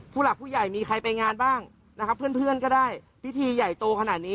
หลักผู้ใหญ่มีใครไปงานบ้างนะครับเพื่อนก็ได้พิธีใหญ่โตขนาดนี้